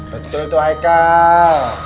betul tuh aikal